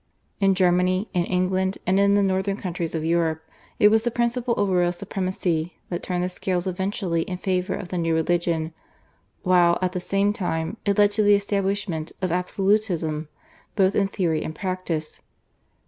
In Germany, in England, and in the northern countries of Europe, it was the principle of royal supremacy that turned the scales eventually in favour of the new religion, while, at the same time, it led to the establishment of absolutism both in theory and practice.